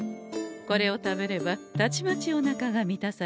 これを食べればたちまちおなかが満たされましょう。